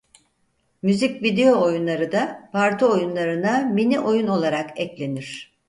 Müzik video oyunları da parti oyunlarına mini oyun olarak eklenir.